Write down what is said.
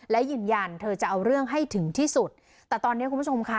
และยืนยันเธอจะเอาเรื่องให้ถึงที่สุดแต่ตอนนี้คุณผู้ชมค่ะ